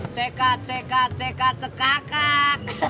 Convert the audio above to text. cekat cekat cekat cekakak